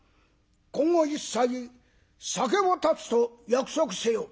「今後一切酒を断つと約束せよ」。